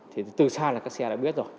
thì từ xa là các xe đã biết rồi